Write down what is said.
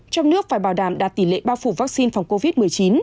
trong nước phải bảo đảm đạt tỷ lệ bao phủ vaccine phòng covid một mươi chín